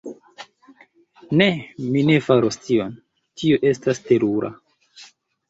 Ne. Mi ne faros tion. Tio estas terura.